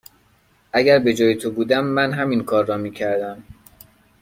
اگر به جای تو بودم، من همین کار را می کردم.